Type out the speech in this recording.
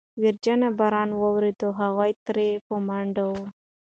وريچينه باران وريده، هغه ترې په منډه وه.